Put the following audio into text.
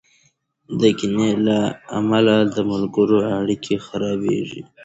د کینې له امله د ملګرو اړیکې خرابېږي.